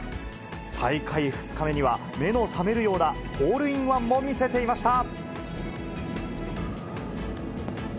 大会２日目には、目の覚めるようなホールインワンも見せていました。